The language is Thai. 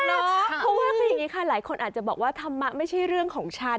เพราะว่าคืออย่างนี้ค่ะหลายคนอาจจะบอกว่าธรรมะไม่ใช่เรื่องของฉัน